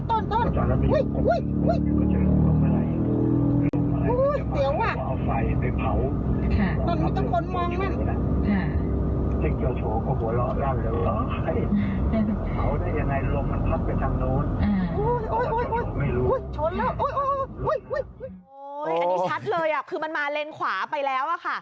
อันนี้ชัดเลยคือมันมาเลนขวาไปแล้วอะค่ะ